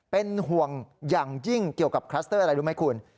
เป็นห่วงอย่างยิ่งเกี่ยวกับคลัสเตอร์อะไรรู้ไหมคุณ